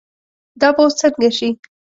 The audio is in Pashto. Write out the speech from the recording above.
دا به اوس څنګه شي.